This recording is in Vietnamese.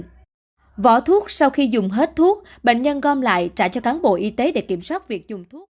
vỏ thuốc sau khi dùng hết thuốc bệnh nhân gom lại trả cho cán bộ y tế để kiểm soát việc dùng thuốc